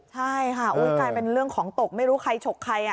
ใช่ค่ะกลายเป็นเรื่องของตกไม่รู้ใครฉกใคร